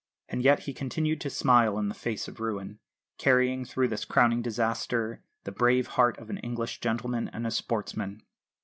And yet he continued to smile in the face of ruin, carrying through this crowning disaster the brave heart of an English gentleman and a sportsman.